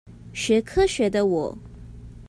學科學的我